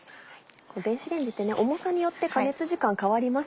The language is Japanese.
電子レンジって重さによって加熱時間変わりますからね。